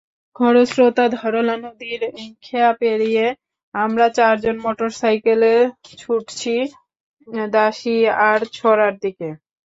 খরস্রোতা ধরলা নদীর খেয়া পেরিয়ে আমরা চারজন মোটরসাইকেলে ছুটছি দাসিয়ারছড়ার দিকে।